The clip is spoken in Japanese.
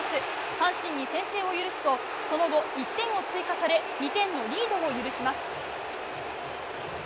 阪神に先制を許すとその後、１点を追加され２点のリードを許します。